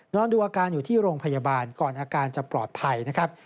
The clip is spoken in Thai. นอนดูอาการอยู่ที่โรงพยาบาลก่อนอาการจะปลอดภัยนะครับ